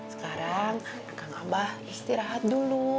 sekarang kang abah istirahat dulu